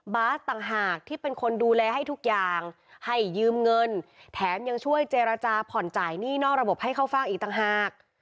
ต่างหากที่เป็นคนดูแลให้ทุกอย่างให้ยืมเงินแถมยังช่วยเจรจาผ่อนจ่ายหนี้นอกระบบให้เข้าฟากอีกต่างหาก